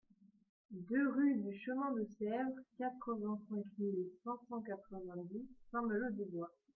deux rue du Chemin de Sèvre, quatre-vingt-cinq mille cinq cent quatre-vingt-dix Saint-Malô-du-Bois